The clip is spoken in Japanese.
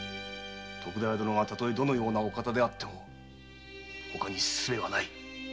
徳田屋殿がどのようなお方であってもほかに方法はない。